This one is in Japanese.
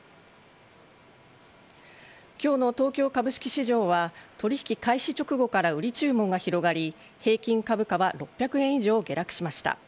今日の東京株式市場は取引開始直後から売り注文が広がり平均株価は６００円以上下落しました。